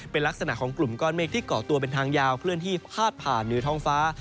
เป็นลักษณะของกลุ่มก้อนเมฆที่เกาะตัวเป็นทางยาวเคลื่อนที่พาดผ่านเหนือท้องฟ้า